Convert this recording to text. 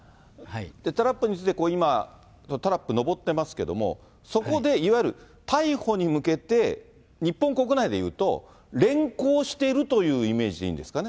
タラップに着いて今、タラップ上ってますけど、そこでいわゆる逮捕に向けて、日本国内で言うと連行しているというイメージでいいんですかね。